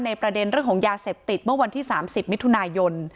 ประเด็นเรื่องของยาเสพติดเมื่อวันที่๓๐มิถุนายน